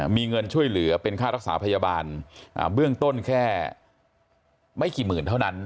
มีเงินช่วยเหลือเป็นค่ารักษาพยาบาลเบื้องต้นแค่ไม่กี่หมื่นเท่านั้น